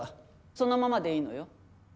そのままでいいのよ。